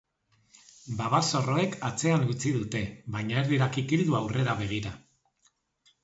Babazorroek atzean eutsi dute, baina ez dira kikildu aurrera begira.